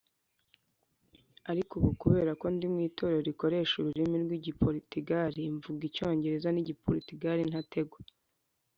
Ariko ubu kubera ko ndi mu itorero rikoresha ururimi rw igiporutugali mvuga icyongereza n igiporutugali ntategwa